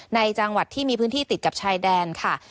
ในจังหวัดที่มีพื้นที่ติดกับชายแดนค่ะ